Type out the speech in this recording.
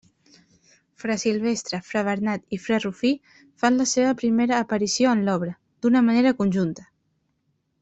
Fra Silvestre, fra Bernat i fra Rufí fan la seva primera aparició en l'obra, d'una manera conjunta.